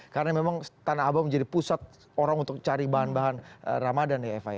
karena memang tanah abang menjadi pusat orang untuk cari bahan bahan ramadan ya eva ya